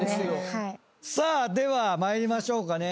さあでは参りましょうかね。